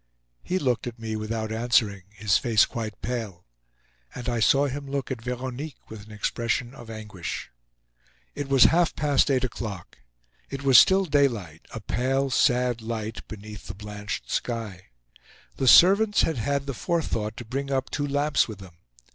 He looked at me without answering, his face quite pale; and I saw him look at Veronique with an expression of anguish. It was half past eight o'clock. It was still daylight—a pale, sad light beneath the blanched sky. The servants had had the forethought to bring up two lamps with them.